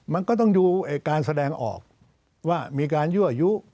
มันก็ต้องดูการแสดงออกว่ามีการยั่วยุ